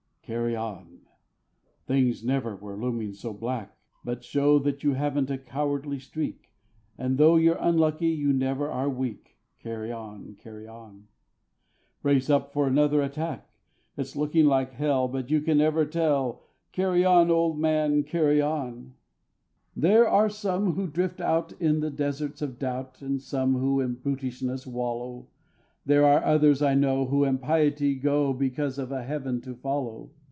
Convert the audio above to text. Carry on! Things never were looming so black. But show that you haven't a cowardly streak, And though you're unlucky you never are weak. Carry on! Carry on! Brace up for another attack. It's looking like hell, but you never can tell: Carry on, old man! Carry on! There are some who drift out in the deserts of doubt, And some who in brutishness wallow; There are others, I know, who in piety go Because of a Heaven to follow.